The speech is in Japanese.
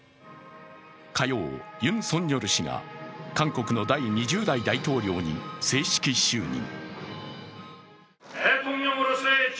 火曜、ユン・ソンニョル氏が韓国の第２０代大統領に正式就任。